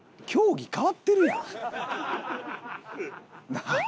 なあ。